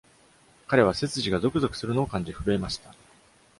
彼は背筋がぞくぞくするのを感じ、震えました。